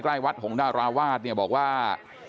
ใกล้วัดหงษ์หน้าราวาสบอกว่า